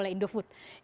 produksi oleh indofood